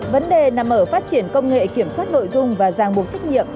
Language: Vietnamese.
vấn đề nằm ở phát triển công nghệ kiểm soát nội dung và giang buộc trách nhiệm